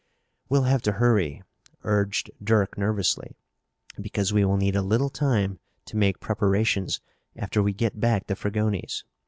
"We'll have to hurry," urged Dirk nervously, "because we will need a little time to make preparations after we get back to Fragoni's."